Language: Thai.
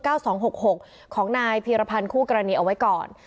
สองหกหกของนายพีรพันธ์คู่กรณีเอาไว้ก่อน